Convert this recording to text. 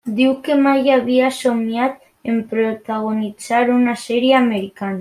Diu que mai havia somniat en protagonitzar una sèrie americana.